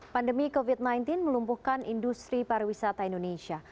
pandemi covid sembilan belas melumpuhkan industri pariwisata indonesia